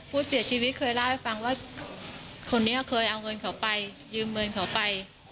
ผู้เสียชีวิตเคยล่าให้ฟังว่าคนนี้เคยเอาเงินเขาไป